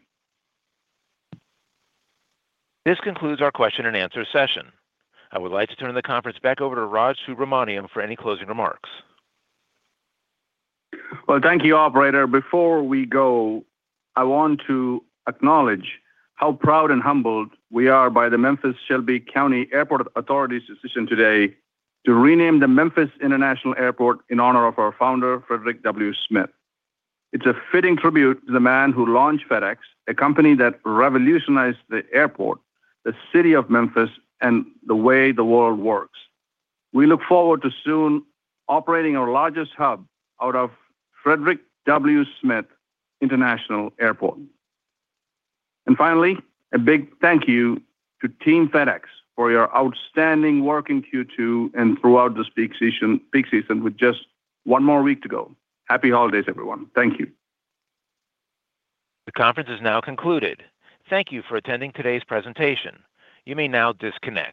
This concludes our question and answer session. I would like to turn the conference back over to Raj Subramaniam for any closing remarks. Well, thank you, Operator. Before we go, I want to acknowledge how proud and humbled we are by the Memphis-Shelby County Airport Authority's decision today to rename the Memphis International Airport in honor of our founder, Frederick W. Smith. It's a fitting tribute to the man who launched FedEx, a company that revolutionized the airport, the city of Memphis, and the way the world works. We look forward to soon operating our largest hub out of Frederick W. Smith International Airport. And finally, a big thank you to Team FedEx for your outstanding work in Q2 and throughout this peak season. We've just one more week to go. Happy holidays, everyone. Thank you. The conference is now concluded. Thank you for attending today's presentation. You may now disconnect.